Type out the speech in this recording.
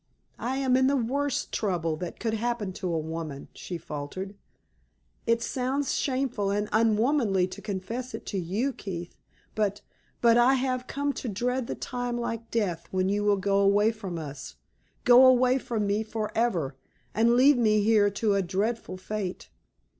"I am in the worst trouble that could happen to a woman," she faltered. "It sounds shameful and unwomanly to confess it to you, Keith; but but I have come to dread the time like death when you will go away from us go away from me forever, and leave me here to a dreadful fate.